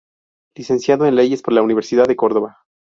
Licenciado en Leyes por la Universidad de Córdoba.